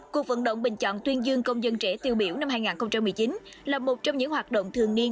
cuộc vận động bình chọn tuyên dương công dân trẻ tiêu biểu năm hai nghìn một mươi chín là một trong những hoạt động thường niên